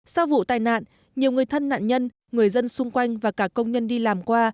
sau vụ tai nạn nhiều người thân nạn nhân người dân xung quanh và cả công nhân đi làm qua